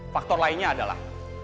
faktor lainnya adalah